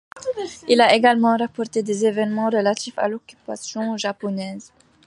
Il a également rapporté des événements relatifs à l'occupation japonaise.